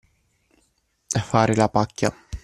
Fare la pacchia.